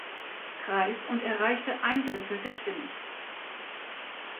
Kreis und erreichte ein Drittel der Stimmen.